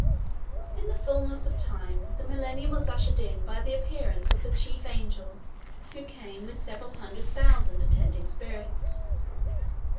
In the fullness of time the Millennium was ushered in by the appearance of the chief angel who came with several hundred thousand attending spirits.